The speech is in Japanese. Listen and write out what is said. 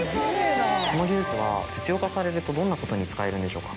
この技術は実用化されるとどんなことに使えるんでしょうか？